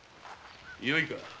よいか？